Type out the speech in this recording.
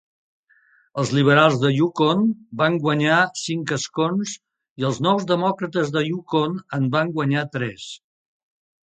Els Liberals de Yukon van guanyar cinc escons i els Nous demòcrates de Yukon en van guanyar tres.